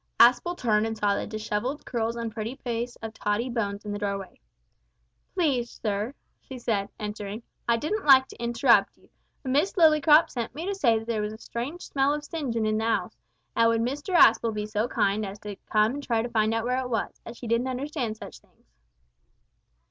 Aspel turned and saw the dishevelled curls and pretty face of Tottie Bones in the doorway. "Please, sir," she said, entering, "I didn't like to interrupt you, but Miss Lillycrop sent me to say that there was a strange smell of singein' in the 'ouse, an' would Mr Aspel be so kind as to come and try to find out where it was, as she didn't understand such things."